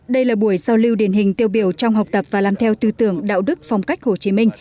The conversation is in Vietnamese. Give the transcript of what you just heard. đây là buổi giao lưu điển hình tiêu biểu trong học tập và làm theo tư tưởng đạo đức phong cách hồ chí minh